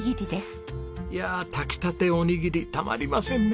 いやあ炊きたておにぎりたまりませんね